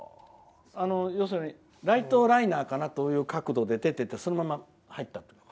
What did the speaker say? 要するにライトライナーかなって角度で出てってそのまま入った。